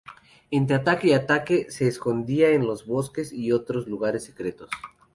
Entre ataque y ataque se escondía en los bosques y otros lugares secretos.